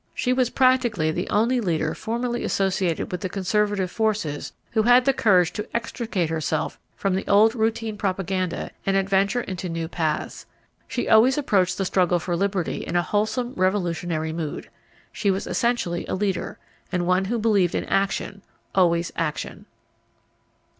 She was practically the only leader formerly associated with the conservative forces who had the courage to extricate herself from the old routine propaganda and adventure into new paths. She always approached the struggle for liberty in a wholesome revolutionary mood. She was essentially a leader, and one who believed in action always action.